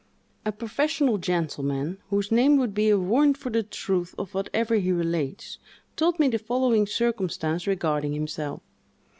A professional gentleman, whose name would be a warrant for the truth of whatever he relates, told me the following circumstance regarding himself.